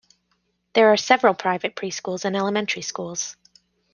There are several private preschools and elementary schools.